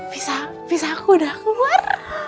pizza pizza aku udah keluar